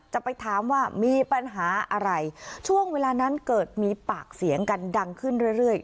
จะไปถามว่ามีปัญหาอะไรช่วงเวลานั้นเกิดมีปากเสียงกันดังขึ้นเรื่อย